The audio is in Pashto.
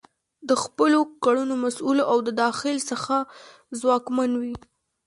د خپلو کړنو مسؤل او د داخل څخه ځواکمن وي.